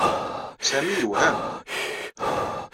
Sami yewhem.